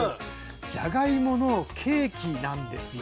じゃがいものケーキなんですよ。